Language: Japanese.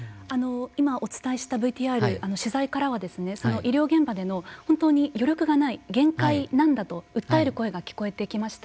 今、お伝えしたＶＴＲ取材からは医療現場での本当に余力がない限界なんだと訴える声が聞こえてきました。